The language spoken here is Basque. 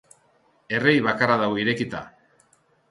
Errei bakarra dago irekita.